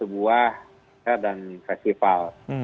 itu yang harus kita pikirkan pada saat kita membuat sebuah festival